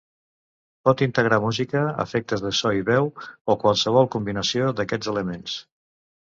Pot integrar música, efectes de so i veu, o qualsevol combinació d’aquests elements.